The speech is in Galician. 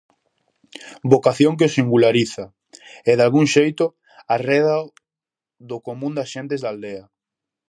Vocación que o singulariza e, dalgún xeito, arrédao do común das xentes da aldea.